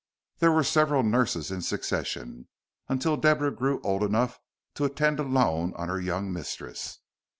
There were several nurses in succession, until Deborah grew old enough to attend alone on her young mistress.